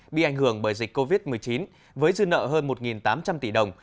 bị ảnh hưởng bởi dịch covid một mươi chín với dư nợ hơn một tám trăm linh tỷ đồng